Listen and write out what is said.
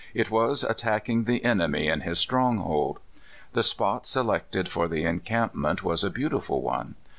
It was attacking the enemy in his stronghold. The spot selected for the encampment was a beautiful one.